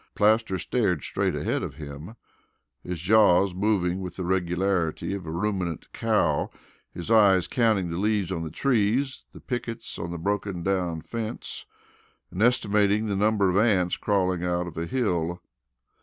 Plaster stared straight ahead of him, his jaws moving with the regularity of a ruminant cow, his eyes counting the leaves on the trees, the pickets on the broken down fence, and estimating the number of ants crawling out of a hill.